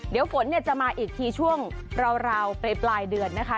เดี๋ยวฝนจะมาอีกทีช่วงราวปลายเดือนนะคะ